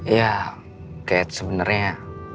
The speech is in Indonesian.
ya kat sebenernya